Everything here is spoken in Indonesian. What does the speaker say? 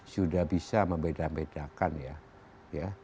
sudah bisa membeda bedakan ya